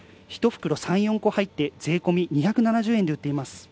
１袋３、４個入って税込み２７０円で売っています。